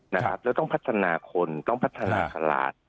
แล้วต้องพัฒนาคนต้องพัฒนาตลาด